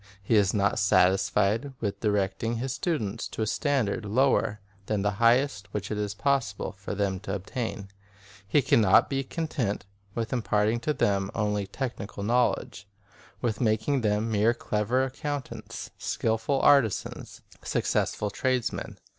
He is not satisfied with directing his students to a standard lower than the highest which it is pos sible for them to attain. He can not be content with imparting to them only technical knowledge, with making them merely clever accountants, skilful arti sans, successful tradesmen.